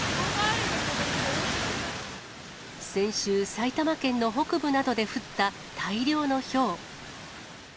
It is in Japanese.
先週、埼玉県の北部などで降った大量のひょう。